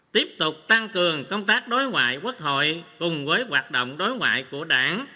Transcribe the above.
tiếp tục tăng cường công tác đối ngoại quốc hội cùng với hoạt động đối ngoại của đảng